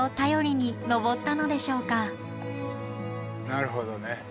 なるほどね。